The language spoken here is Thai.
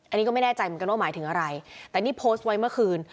อันนี้ก็ไม่แน่ใจเหมือนกันว่าหมายถึงอะไรแต่นี่โพสต์ไว้เมื่อคืน